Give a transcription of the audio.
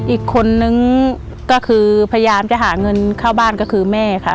อีกคนนึงก็คือพยายามจะหาเงินเข้าบ้านก็คือแม่ค่ะ